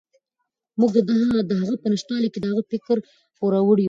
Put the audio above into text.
موږ د هغه په نشتوالي کې د هغه د فکر پوروړي یو.